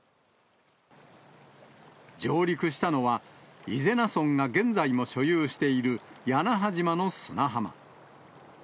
上陸したのは、伊是名村が現在も所有している屋那覇島の砂浜。